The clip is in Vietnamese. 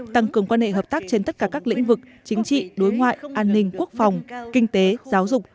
tăng cường quan hệ hợp tác trên tất cả các lĩnh vực chính trị đối ngoại an ninh quốc phòng kinh tế giáo dục